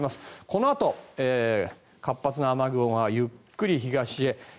このあと、活発な雨雲はゆっくり東へ。